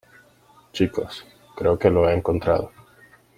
Chicos, creo que lo he encontrado.